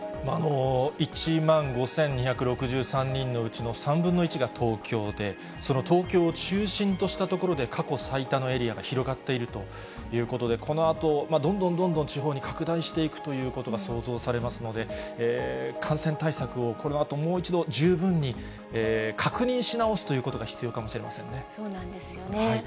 １万５２６３人のうちの３分の１が東京で、その東京を中心とした所で、過去最多のエリアが広がっているということで、このあと、どんどんどんどん地方に拡大していくということが想像されますので、感染対策を、このあと、もう一度、十分に確認し直すということが必そうなんですよね。